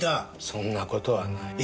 そんな事はない。